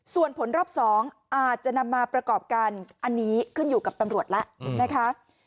ส่วนผลรอบ๒อาจจะนำมาประกอบกันอันนี้ขึ้นอยู่กับตำรวจแล้วนะคะ